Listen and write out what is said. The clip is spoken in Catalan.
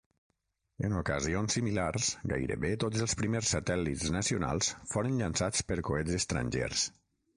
En ocasions similars, gairebé tots els primers satèl·lits nacionals foren llançats per coets estrangers.